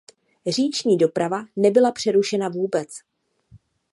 Říční doprava nebyla přerušena vůbec.